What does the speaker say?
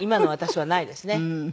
はい。